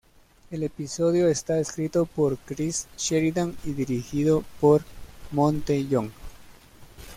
El episodio está escrito por Chris Sheridan y dirigido por Monte Young.